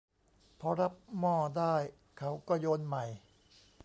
พอรับหม้อได้เขาก็โยนใหม่